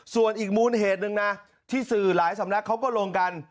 ส่วนอีกมูลเหตุหนึ่งนะที่สื่อหลายสำนักเขาก็ลงกัน